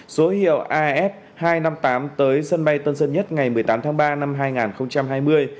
số hiệu af hai trăm năm mươi tám tới sân bay tân sơn nhất ngày một mươi tám tháng ba năm hai nghìn hai mươi